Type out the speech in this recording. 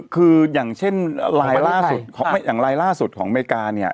คืออย่างเช่นลายล่าสุดของอเมริกาเนี่ย